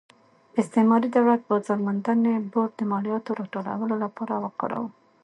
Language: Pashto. استعماري دولت بازار موندنې بورډ د مالیاتو راټولولو لپاره وکاراوه.